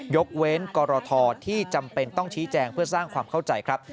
ยกเว้นกรทที่จำเป็นต้องชี้แจงเพื่อสร้างความเข้าใจครับ